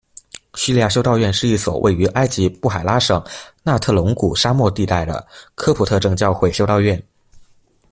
叙利亚修道院是一所位于埃及布海拉省纳特隆谷沙漠地带的科普特正教会修道院。